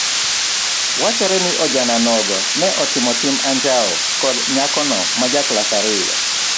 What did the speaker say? Wachore ni ojana nogo ne otimo tim anjawo kod nyakono ma ja klas ariyo.